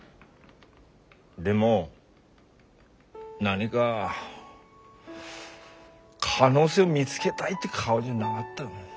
でも何が可能性を見つけたいって顔じゃなかった。